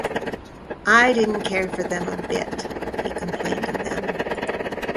"I didn't care for them a bit," he complained of them.